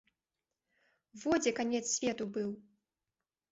Во дзе канец свету быў!